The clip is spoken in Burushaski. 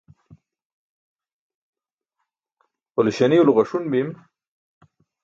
hole śaniulo ġaṣun bim